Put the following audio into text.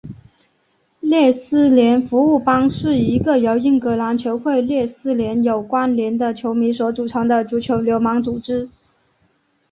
列斯联服务帮是一个由英格兰球会列斯联有关连的球迷所组成的足球流氓组织。